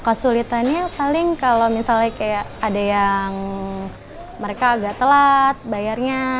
kesulitannya paling kalau misalnya kayak ada yang mereka agak telat bayarnya